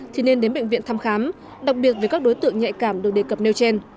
thì nên đến bệnh viện thăm khám đặc biệt với các đối tượng nhạy cảm được đề cập nêu trên